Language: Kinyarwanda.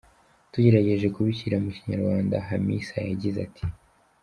Tugerageje kubishyira mu Kinyarwanda, Hamisa yagize ati:.